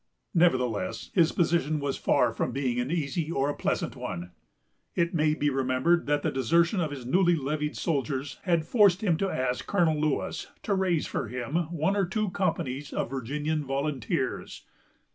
Nevertheless, his position was far from being an easy or a pleasant one. It may be remembered that the desertion of his newly levied soldiers had forced him to ask Colonel Lewis to raise for him one or two companies of Virginian volunteers.